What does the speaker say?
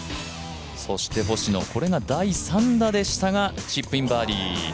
そして星野、これが第３打でしたがチップインバーディー。